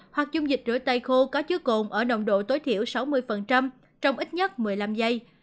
hoặc dung dịch rửa tay khô có chứa cồn ở nồng độ tối thiểu sáu mươi trong ít nhất một mươi năm giây